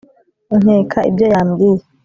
nkeka ibyo yambwiye